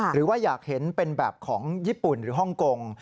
หรือว่าอยากเห็นเป็นแบบของญี่ปุ่นหรือฮ่องกง